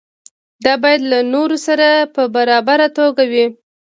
دا باید له نورو سره په برابره توګه وي.